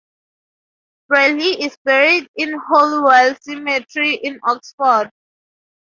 Bradley is buried in Holywell Cemetery in Oxford.